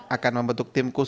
akan membentuk tim khusus